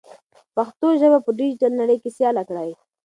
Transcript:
پښتو ژبه په ډیجیټل نړۍ کې سیاله کړئ.